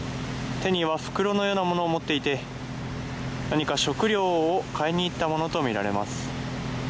手には袋のようなものを持っていて何か食料を買いに行ったとみられます。